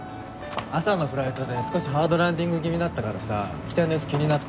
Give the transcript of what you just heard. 朝のフライトで少しハードランディング気味だったからさ機体の様子気になって。